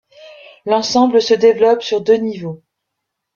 L’ensemble se développe sur deux niveaux.